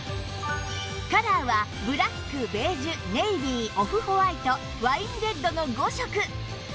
カラーはブラックベージュネイビーオフホワイトワインレッドの５色！